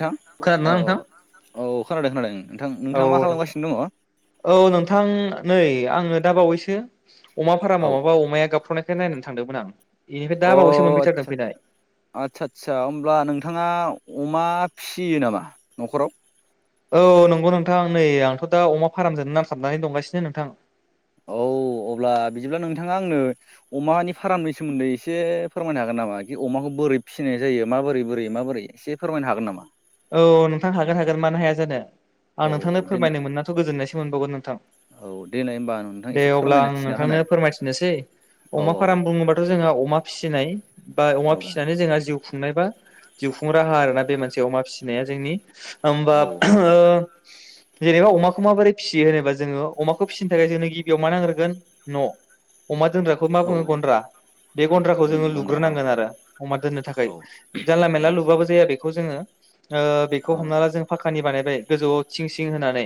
नोंथां खोनादोंना नोंथां? अ- अ खोनादों- खोनादों नोंथां औ नोंथाङा मा नोंथां खालामगासिनो दङ? औ नोंथां नै आङो दा बावैसो औ अमाफ्रामाव माबा अमाया गाबख्र'नायखाय नायनानै थांदोंमोन आं। बेनिफ्राय दा अ बावैसो मोनफैथारदों आच फैनाय। आचसा आचसा होब्ला नोंथाङा अमा फियो नामा न'खराव? औ नंगौ नोंथां नै आंथ' दा अमा फारामजोंनो नांथाबनानै दंगासिनो नोंथां। औ अब्ला बिदिब्ला नोंथाङा आंनो अमानि फारामनि सोमोन्दै एसे फोरमायनो हागोन नामा बिदि अमाखौ बोरै फिसिनाय जायो माबोरै बोरै माबोरै एसे फोरमायनो हागोन नामा? औ नोंथां हागोन - हागोन मानो हाया जानो। आं औ नोंथांनो देनाय फोरमायनो मोननाथ' गोजोननायसो मोनबावगोन नोंथां। औ देनाय होमबा नोंथां दे एसे अब्ला फोरमायना आं थिना नोंथांनो होनाय फोरमायथिनोसै औ अमा फार्म बुङोबाथ' जोंहा अमा फिसिनाय बा अमा औ फिसिनानै जोंहा जिउ खुंनाय बा जिउ खुं राहा आर ना बे मोनसे अमा फिसिनाया होमबा औ जेनेबा अमाखौ माबोरै फिसियो होनोबा जोङो अमाखौ फिसिनो थाखाय जोंनो गिबियाव मा नाग्रोगोन न'। अमा दोनग्राखौ मा औ औ बुङो गन्द्रा। बे गन्द्राखौ उम जोङो गन्द्रा औ लुग्रोनांगोन आरो अमा दोननो थाखाय औ जानला औ मानला लुबाबो जाया बेखौ जोङो। ओ बेखौ औ हमना ला जों फाखानि बानायबाय गोजौआव थिं सिं होनानै।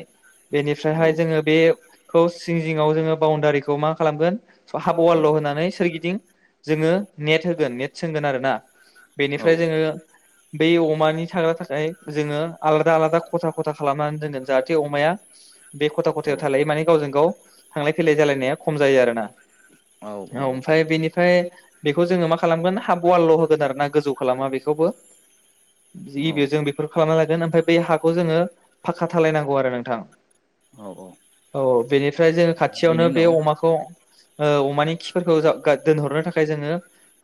बेनिफ्रायहाय जोङो बेखौ सिं जिङाव जोङो बाउणडारिखौ मा खालामगोन स हाबवालल' होनानै सोरगिदिं जोङो नेट होगोन नेट सोंगोन आरोना। औ बेनिफ्राय जोङो बै अमानि थाग्रा थाखाय जोङो आलादा आलादा खथा खथा खालामनानै दोनो जाहाथे अमाया बे खथा औ खथायाव थालायो माने गावजों गाव थांलाय फैलाय जालायनाया खम जायो आरोना। औ ओमफ्राय बेनिफ्राय बेखौ जोङो मा खालामगोन हाब वालल' होगोन आरो ना गोजौ खालामा बेखौबो गिबियाव औ जों बेफोरखौ खालामना लागोन ओमफ्राय बै हाखौ जोङो फाखा धालायनांगौ आरो नोंथां। औ औ बेनिफ्राय जोङो औ खाथियावनो बेनि बे उनाव अमाखौ ओ अमानि खिफोरखौ जा गा दोनहरनो थाखाय जोङो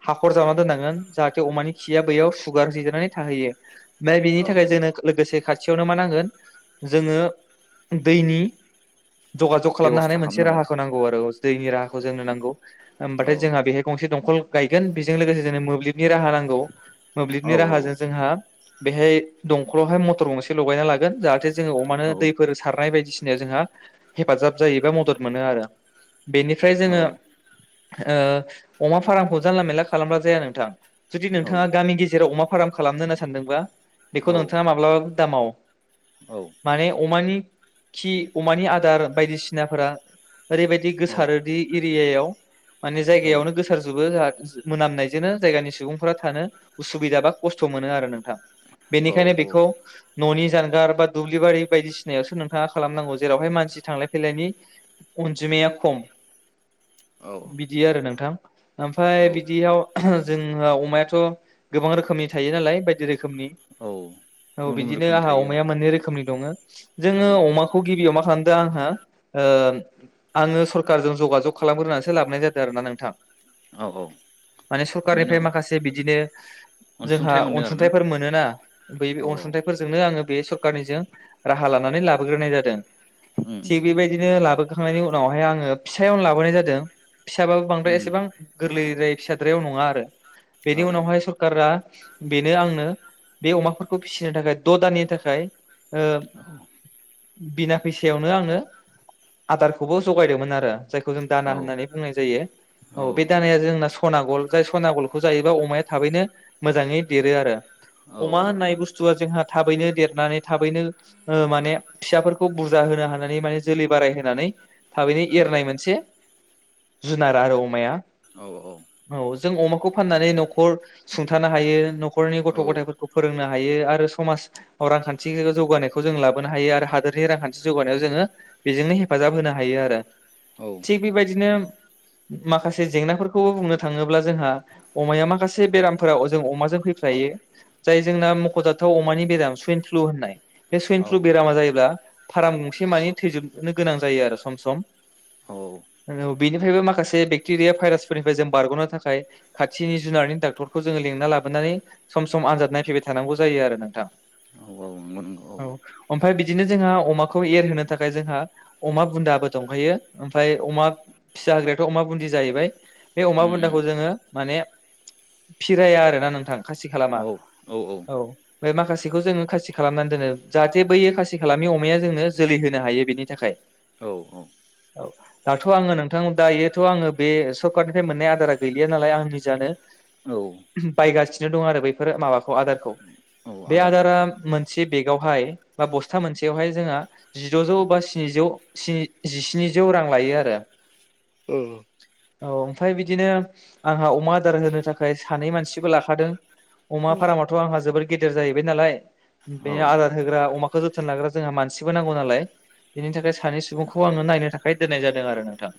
हाखर जावना दोननांगोन जाहा थे अमानि खिया बैयाव सुगार जिजिरनानै थाहैयो ओमफ्राय बेनि औ थाखाय औ जोंनो लोगोसे खाथियावनो मा नांगोन जोङो दैनि जगाजग खालामनो बेब'स्था हानाय मोनसे खालामनांगोन राहाखौ नांगौ आरो दैनि राहाखौ जोंनो नांगौ औ होमबाथाय जोंहा बेहाय गंसे दंखल गायगोन बेजों लोगोसे जोंनो मोब्लिब नि राहा नांगौ औ मोब्लिबनि राहाजों जोंहा बेहाय दंखलावहाय मटर गंसे लगायना लागोन जाहाथे जोङो अमानो औ दैफोर सारनाय बायदिसिना जोंहा हेफाजाब जायोबा मदद मोनो आरो बेनिफ्राय औ जोङो ओ अमा फार्मखौ जानला मेनला खालामबा जाया नोंथां जुदि औ नोंथाङा गामि गेजेराव अमा फार्म खालामनो होनना सानदोंबा बेखौ नोंथाङा माब्लाबो दामाव माने अमानि खि अमानि आदार बायदिसिनाफोरा ओरैबायदि गोसारोदि इ इरियायाव माने जायगायावनो गोसारजोबो जाहा मोनामनायजोंनो जायगानि सुबुंफोरा थानो उसुबिदा बा खस्थ' मोनो आरो नों थां बेनिखायनो बेखौ न'नि जानगार बा दुब्लिबारि बायदिसिनायावसो नोंथाङा खालामनांगौ जेरावहाय मानसि थांलाय फैलायनि अनजिमाया खम। औ बिदि आरो नोंथां औ ओमफ्राय बिदियाव जोंहा अमायाथ' गोबां रोखोमनि थायो नालाय बायदि रोखोम खोमनि औ औ गुबुन गुबुन बिदिनो रोखोमनि आंहा थायो अमाया मोननै रोखोमनि दङो। औ जोङो अमाखौ गिबियाव मा खालाम दों आंहो ओ आङो सरखारजों जगाजग खालामग्रोनानैसो लाबोनाय जादों आरोना नोंथां। औ औ माने बिनि सरखारनिफ्राय उनाव माखासे बिदिनो अनसुंथाइ मोनदों आरोना? फोर मोनोना बै अनसुंथाइफोरजोंनो आङो बे सरखारनि जों रा हा लानानै लाबोग्रोनाय जादों उम थिग बेबायदिनो लाबो बो खांनायनि उनावहाय आङो फिसायावनो लाबोनाय जादों फिसाबाबो बांद्राय उम एसेबां गोरलैद्राय फिसाद्रायाव नङा आरो औ बेनि उनावहाय सरकारा आंनो बे अमाफोरखौ फिसिनो थाखाय द' दाननि थाखाय ओ औ। बिना फैसायावनो आंनो [inaudible] आदारखौबो जगायदोंमोन आरो। जायखौ जों दाना औ होननानै बुंनाय जायो औ बे दानाया जोंना सना गल जाय सना गल जायोबा अमाया थाबैनो मोजाङै देरो आरो औ अमा होननाय बुस्थुआ जोंहा थाबैनो देरनानै थाबैनो ओ माने फिसाफोरखौ बुरजा होनो हानानै माने जोलै बाराय होनोनानै थाबैनो एरनाय मोनसे जुनार आरो अमाया औ औ औ जों अमाखौ फाननानै न'खर सुंथानो हायो न'खरनि गथ' गथायफोरखौ फोरोंनो हायो आरो समाजाव रांखान्थि जौगानायखौ जों लाबोनो हायो आरो हादोरनि रांखान्थि जौगानायाव जोङो बेजोंनो हेफाजाब होनो हायो आरो थिग बेबायदिनो माखासे जेंनाफोरखौबो बुंनो थाङोब्ला जोंहा अमाया माखासे बेरामफोराव जों अमाजों फै फायो जाय जोंना मख'जाथाव अमानि बेराम सुइन फ्लु होननाय बे स्वाइन औ फ्लु बेरामा जायोब्ला फाराम गंसे मानि थैजोबनो गोनां जायो आरो सम सम औ बेनिफायबो माखासे बेक्टेरिया भाइरासफोरनिफ्राय जों बारग'नो थाखाय खाथिनि ज जुनारनि डाक्टरखौ जोङो लेंना लाबोनानै सम सम आनजाद नायफैबाय थानांगौ जायो आरो नोंथां औ औ नंगौ नंगौ औ फाय बिदिनो जोंहा अमाखौ एरहोनो थाखाय जोंहा अमा बुन्दाबो दंखायो ओमफाय अमा फिसा होग्रायाथ' अमा बुन्दि जाहैबाय बे अमा उम उम बुन्दाखौ जोङो माने फिराया आरोना नोंथां खासि खालामा औ फाय माखासेखौ जो खासि खालामनान दोनो जाहाथे बै खासि खालामि अमाया जोंनो जोलै होनो हायो बेनि थाखाय औ औ औ दाथ' आङो नोंथां दायोथ' आंङो बे सरखारनिफ्राय मोनाय आदारा गैलिया नालाय आं निजानो औ बायगासिनो दं आरो बैफोरो माबा ख आदारखौ औ बे आदारा आदारफोरखौ मोनसे बेग यावहाय बा बस्था मोनसेयावहाय जोंङा जिद'जौ बा सेजौ से जिस्निजौ रां लायो आरो औ औ ओमफाय बिदिनो आंहा अमा आदार होनो थाखाय सानै मानसिबो लाखादों अमा औ फारामाथ' आंहा जोबोर गेदेर जाहैबाय नालाय औ बे आदार होग्रा अमा खो जोथोन लाग्रा जोंहा मानसिबो नांगौ नालाय बिनि थाखाय सानै सुबुंखौ आङो नायनो थाखाय दोननाय जादों आरो नोंथां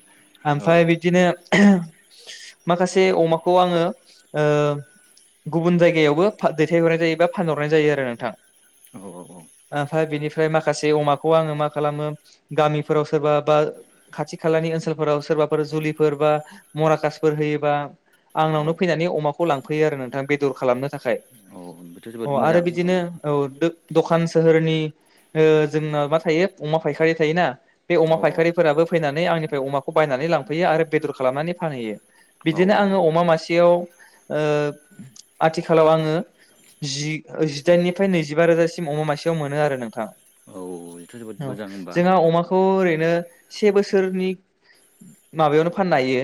ओमफ्राय बिदिनो माखासे अमाखौ आङो ओ गुबुन जायगायावबो फा दैथायहरनाय जायो बा फानहरनाय जायो आरो नोंथां औ औ औ मफ्राय माखासे अमाखौ आङो मा खालामो गामिफोराव सोरबा बा खाथि खालानि ओनसोलफोराव सोर बाफोर जुलिफोर बा मराकासफोर होयोबा औ आंनावनो फैनानै अमाखौ लांफैयो आरो नोंथां बेदर खालामनो थाखाय औ बेथ' अ जोबोद आरो मोजां औ बिदिनो औ दो दखान सोहोरनि ओ जोंना मा थायो अमा फायखारि थायोना बे औ अमा फायखारिफोराबो फैनानै आंनिफ्राय अमाखौ बायनानै लांफैयो आरो बेदर खालामनानै फानहैयो औ बिदिनो आङो अमा मासेयाव ओ आथिखालाव आङो जि ओ जिदाइननिफ्राय नैजिबा रोजासिम अमा मासेयाव मोनो आरो नोंथां औ बेथ' जोबोद मोजां होमबा थ ओरैनो से बोसोरनि माबायावनो फाननो हायो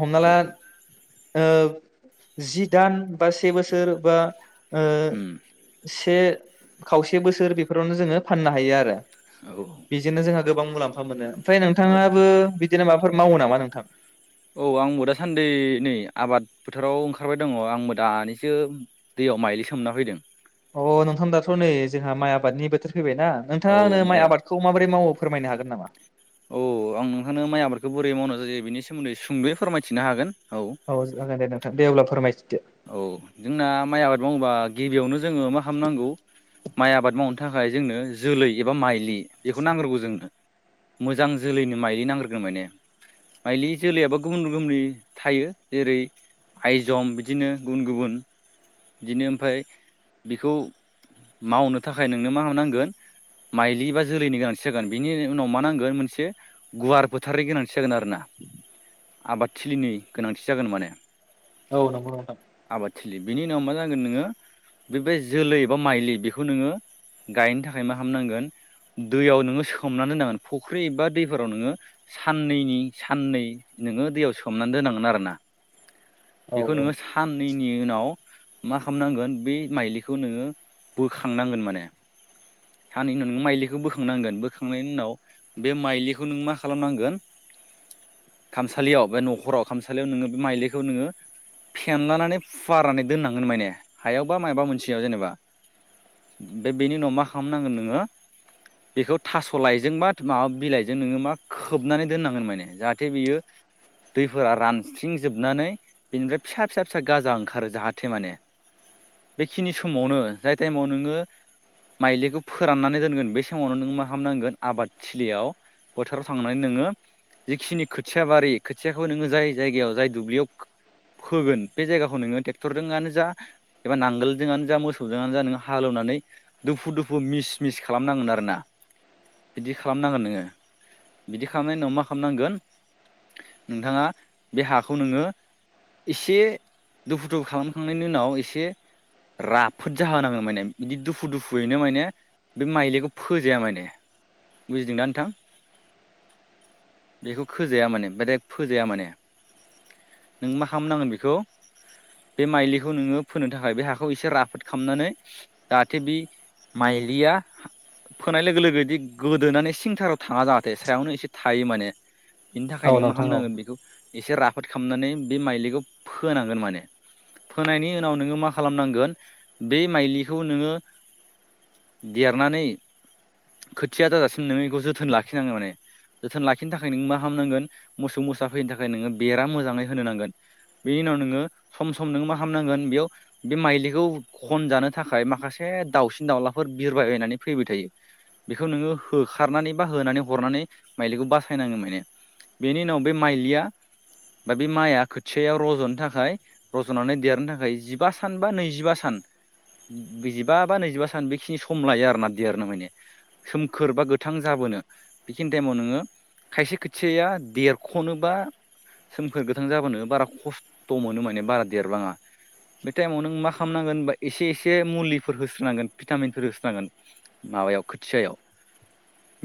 हमना औ ला ओ जि दान बा से बोसोर बा ओ उम स से खावसे बोसोर बेफोरावनो जोङो फाननो हायो आरो औ बेजोंनो जोंहा गोबां मुलाम्फा मोनो ओमफ्राय औ नोंथाङाबो बिदिनो माबाफोर मावो नामा नोंथां औ आंबो दासान्दै नै आबाद फोथाराव ओंखारबाय दङ आंबो दानिसो दै याव माइलि सोमना फैदों अ नोंथां दाथ' नै जोंहा माइ आबादनि बोथोर फैबायना नोंथाङा आंनो माइ आबादखौ माबोरै मावो फोरमायनो हागोन नामा औ आं नोंहानो माइ आबादखौ बोरै मावनाय जायो बेनि सोमोन्दै सुंदयै फोरमायथिनो हागोन औ जागोनदे नोंथां दे अब्ला फोरमायस औ जोंना माइ आबाद मावोबा गिबियावनो जोङो मा खामनांगौ माइ आबाद मावनो थाखाय जोंनो जोलै एबा माइलि बेखौ नांग्रोगौ जोंनो। मोजां जोलैनि माइलि नांग्रोगो माने माइलि जोलैआबो गुबुन रोखोमनि थायो जेरै आइजम बिदि दिनो गुबुन गुबुन दिनो ओमफ्राय बिखौ मावनो थाखाय नोंनो मा हनांगोन माइलि बा जोलैनि गोनांथि जागोन बिनि उनाव मा नांगोन मोनसे गुवार फोथारनि गोनांथि जागोन आरोना। आबादथिलिनि गोनांथि जागोन माने। औ नंगौ नोंथां। [unintelligible] बिनि उनाव मा जागोन नोङो बे बै जोलै बा माइलि बेखौ नोङो गायनो थाखाय मा खामनांगोन दैयाव नोङो सोमनानै होनांगोन फुख्रि एबा दैफोराव नोङो साननैनि साननै नोङो दैयाव सोमनानै दोननांगोन आरोना औ बेखौ औ। नोङो साननैनि उनाव मा खालामनांगोन बे माइलिखौ नोङो बोखांनांगोन माने। सान्नैनि उनाव नों माइलिखौ बोखांनांगोन बोखांनायनि उनाव बे माइलिखौ नों मा खालामनांगोन खामसालियाव बे न'खराव [unintelligible] फेनलानानै फुवारनानै दोननांगोन माने हायावबा माइबा मोनसेयाव जेनेबा। बे बेनि उनाव मा खालामनांगोन नोङो बेखौ थास' लाइजों बा माबा बिलाइजों नोङो मा खोबनानै दोननांगोन माने जाहाथे बियो दैफोरा रानस्रिंजोबनानै बेनिफ्राय फिसा फिसा फिसा गाजा ओंखारो जाहाथे माने। बेखिनि समावनो जाय टाइमाव नोङो माइलिखौ फोराननानै दोनगोन बे समावनो नों मा खालामनांगोन आबाद थिलियाव फोथाराव थांनानै नोङो जिखिनि खोथिया बारि खोथियाखौ नोङो जाय जायगायाव जाय दुब्लियाव फोगोन बे जायगाखौ नोङो ट्रेक्टरजोंआनो जा एबा नांगोलजोंआनो जा मोसौजोंनो जा नोङो हालौवना दुफु दुफु मिस मिस खालामनांगोन आरोना बिदि खालामनांगोन नोङो बिदि खालामनायनि उनाव मा खालामनांगोन नोंथाङा बे हाखौ नोङो एसे दुफु दुफु खालामखांनायनि उनाव एसे राफोद जाहोनाङो माने बिदि दुफु दुफुयैनो माने बे माइलिखौ फोजाया माने। बुजिदों दा नोंथां? बेखौ खोजाया माने फोजाया माने। नों मा खालामनांगोन बेखौ बे माइलिखौ नोङो फोनो थाखाय बे हाखौ एसे राफोद खालामामनानै जाहाथे बे माइलिया फोनाय लोगो लोगो बिदि गोदोनानै सिंथाराव थाङा जाहाथे सायावनो एसे थायो माने। बिनि थाखाय औ नोङो मा नोंथां औ खालामनांगोन बेखौ एसे राफोद खालामनानै बे माइलिखौ फोनांगोन माने। फोनायनि उनाव नोङो मा खालामनांगोन बे माइलिखौ नोङो देरनानै खोथिया जाजासिम नोङो बेखौ जोथोन लाखिनाङो माने। जोथोन लाखिनो थाखाय नों मा खालामामनांगोन मोसौ मोसा फैनो थाखाय नोङो बेरा मोजाङै होनो नांगोन। बेनि उनाव नोङो सम सम नोङो मा खालामामनांगोन बेयाव बे माइलिखौ खनजानो थाखाय माखासे दाावसिन दाउलाफोर बिरबायबायनानै फैबाय थायो बेखौ नोङो होखारनानै बा होनानै हरनानै माइलिखौ बासायनाङो माने। बेनि उनाव बे माइलिया बा बे माइआ खो [unintelligible] रज'नो थाखाय रज'नानै देरनो थाखाय जिबा सान बा नैजिबा सान जिबा बा नैजिबा सान बेखिनि सम लायो आरोना देरनो माने। सोमखोर बा गोथां जाबोनो बेखिनि टाइमाव नोङो खायसे खोथियाया देरख'नोबा सोमखोर गोथां जाबोनो बारा खस्थ' मोनो माने बारा देरलाङा। बे टाइमाव नों मा खालामनांगोन होनबा एसे एसे मुलिफोर होस्रोनांगोन भिटामिनफोर होस्रोनांगोन। माबायाव खोथियायाव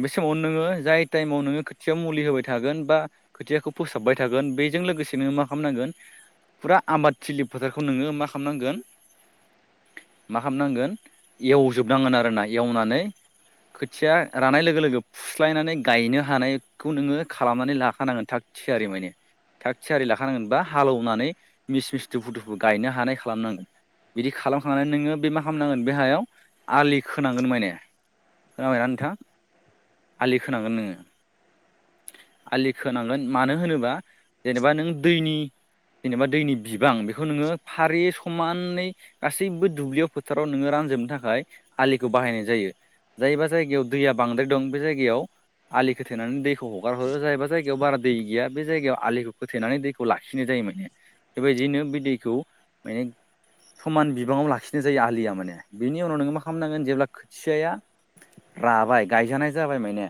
बे समावनो नोङो जाय टाइमाव नोङो खोथिया मुलि होबाय थागोन बा खोथियाखौ फोसाबबाय थागोन बेजों लोगोसेनो मा [unintelligible] फुरा आबादथिलि फोथारखौ नोङो मा खालामनांगोन मा खामनांगोन एवजोबनांगोन आरोना एवनानै खोथिया रानाय लोगो लोगो फुस्लायनानै गायनो हानायखौ नोंङो खालामनानै लाखानांगोन था थियारि माने थाख थियारि लाख नांगोन बा हालेवनानै मिस मिस दुफु दुफु गायनो हानाय खालामनांगोन बिदि खालामखांनानै नोंङो बे मा खामनांगोन बे हायाव आलि खोनांगोन माने खोनाबायना नोंथां आलि खोनांगोन नोंङो आलि खोनांगोन मानो होनोबा जेनेबा नों दैनि जेनेबा दैनि बिबां बेखौ नोङो फारि समानै गासैबो दुब्लियाव फोथाराव नोंङो रानजोबनो थाखाय आलिखौ बाहायनाय जायो। जायबा जायगायाव दैया बांद्राय दं बे जायगायाव आलि खोथेनानै दैखौ हगार हरो जायबा जायगायाव बारा दै गैया बे जायगायाव आलिखौ खोथेनानै दैखौ खौ लाखिनाय जायो माने बेबायदिनो बे दैखौ माने समान बिबांङाव लाखिनाय जायो आलिया माने बिनि उनाव नोंङो मा खालामनांगोन जेब्ला खोथियाया राबाय गायजानाय जाबाय माइने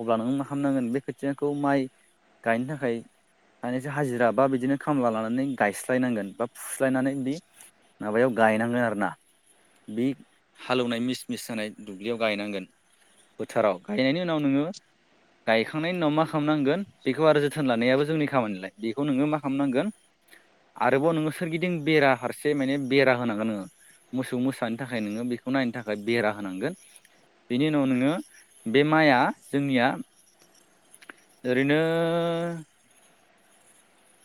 अब्ला नों मा खामनांगोन बे खोथियाखौ माइ गायनो थाखाय हाइ हाजिरा बा बिदिनो खामला लानानै गायस्लायनांगोन बा फुस्लायनानै बिदि माबायाव गायनांङो आरो ना बे हालेवनाय मिस मिस जानाय दुब्लियाव गायनांगोन बोथोराव गायनायनि उनाव नोंङो गायखांनायनि उनाव मा खा खामनांगोन बेखौ आरो जोथोन लानायाबो जोंनि खामानिलाय बेखौ नोंङो मा खामनांगोन आरोबाव नोंङो सोरगिदिं बेरा हारसे माने बेरा होनांगोन नोंङो मोसौ मोसानि थाखाय नोंङो बेखौ नायनो थाखाय बेरा होनांगोन बेनि उनाव नोंङो बे माइआ जोंनिया ओरैनो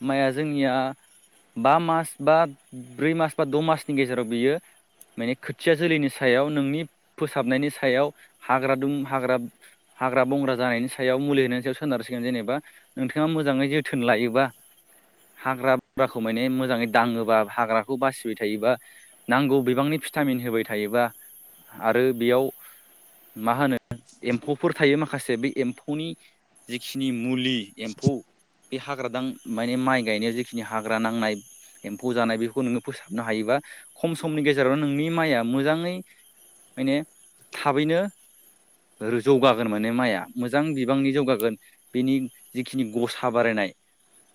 माइआ जोंनिया बा मास बा ब्रै मास बा द' मासनि गेजेराव बियो माने खोथिया जोलैनि सायाव नोंनि फोसाबनायनि सायाव हाग्रा दुम हाग्रा हाग्रा बंग्रा जानायनि सायाव मुलि होनायनि सायाव सोनारसिगोन जेनेबा नोंथांङा मोजांङै जोथोन लायोबा [inaudible] हाग्रा बुग्राखौ माने मोजांङै दांङोबा हाग्राखौ बासिबाय थायोबा नांगौ बिबांनि फिथा फिन होबाय थायोबा आरो बेयाव माहोनो एमफौफोर थायो मा माखासे बे एम्फौनि जिखिनि मुलि एम्फौ बे हाग्रादां माने माइ गायनायाव जेखिनि हाग्रा नांनाय एम्फौ जानाय बेखौ नोंङो फोसाबनो हायोबा खम समनि गेजेरावनो नोंनि माइआ मोजांङै माने थाबैनो रो जौगागोन माने माइया मोजां बिबांनि जौगागोन बेनि जिखिनि गसा बारायनाय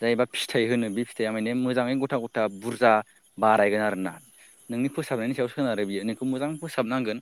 जायबा फिथाइ होनो बे फिथाइया माने मोजांङै गथा गथा बुरजा बारायगोन आरोना नोंनि फोसाबनायनि सायाव सोनारो बियो नोंखौ मोजां फोसाबनांगोन